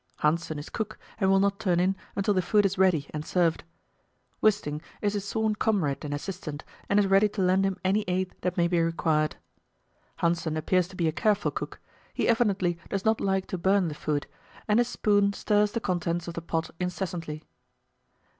Hanssen is cook, and will not turn in until the food is ready and served. Wisting is his sworn comrade and assistant, and is ready to lend him any aid that may be required. Hanssen appears to be a careful cook; he evidently does not like to burn the food, and his spoon stirs the contents of the pot incessantly.